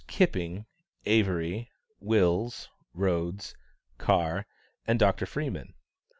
Kipping, Avery, Wills, Rhodes, Carr, and Dr. Freeman.